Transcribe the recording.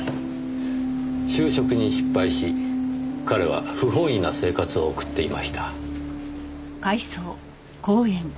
就職に失敗し彼は不本意な生活を送っていました。